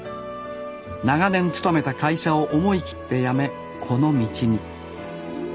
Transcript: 長年勤めた会社を思い切って辞めこの道に。